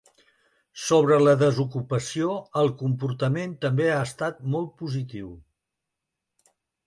Sobre la desocupació, el comportament també ha estat molt positiu.